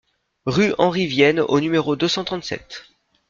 Rue Henri Vienne au numéro deux cent trente-sept